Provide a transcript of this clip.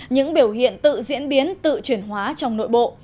những biểu hiện tự diễn biến tự chuyển hóa trong nội bộ